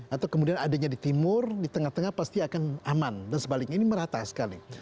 atau kemudian adanya di timur di tengah tengah pasti akan aman dan sebaliknya ini merata sekali